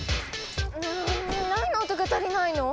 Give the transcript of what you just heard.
ん何の音が足りないの？